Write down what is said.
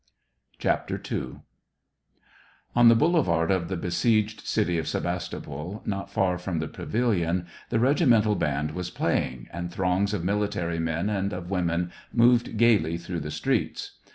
SEVASTOPOL IN MAY. 39 II. On the boulevard of the besieged city of Sevas topol, not far from the pavilion, the regimental band was playing, and throngs of military men and of women moved gayly through the streets.